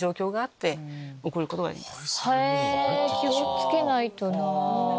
へぇ気を付けないとなぁ。